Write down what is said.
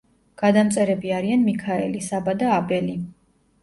გადამწერები არიან მიქაელი, საბა და აბელი.